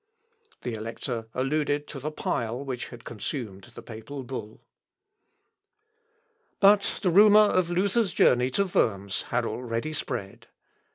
The Elector alluded to the pile which had consumed the Papal bull. But the rumour of Luther's journey to Worms had already spread.